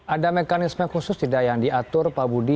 ada mekanisme khusus tidak yang diatur pak budi